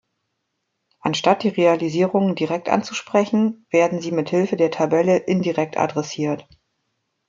Anstatt die Realisierungen direkt anzusprechen, werden sie mit Hilfe der Tabelle indirekt adressiert.